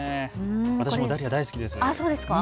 私もダリア大好きです。